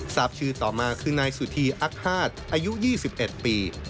ทราบชื่อต่อมาคือนายสุธีอักฮาตอายุ๒๑ปี